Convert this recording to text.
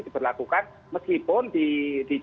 diberlakukan meskipun di